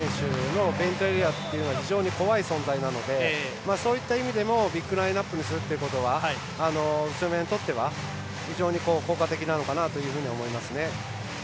逆に、エドワーズ選手とサイズ選手のペイントエリアというのは非常に怖い存在なのでそういった意味でもビッグラインアップにするということは宇都宮にとっては非常にとっては効果的かなと思います。